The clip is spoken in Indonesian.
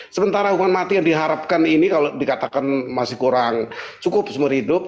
sementara hukuman mati yang diharapkan ini kalau dikatakan masih kurang cukup seumur hidup